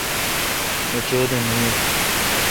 مہ چودہ نہ یون